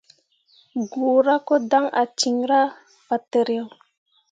Guura ko dan ah cinra fatǝro.